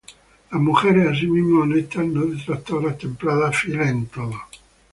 Las mujeres asimismo, honestas, no detractoras, templadas, fieles en todo.